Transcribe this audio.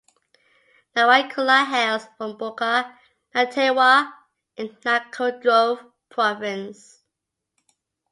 Nawaikula hails from Buca, Natewa, in Cakaudrove Province.